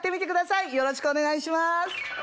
よろしくお願いします！